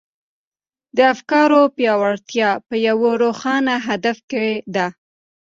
د افکارو پياوړتيا په يوه روښانه هدف کې ده.